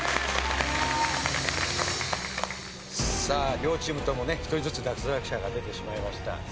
さあ両チームともね１人ずつ脱落者が出てしまいました。